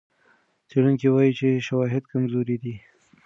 څېړونکي وايي چې شواهد کمزوري دي.